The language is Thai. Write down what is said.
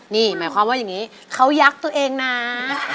นี่หมายความว่าอย่างนี้เขายักษ์ตัวเองนะ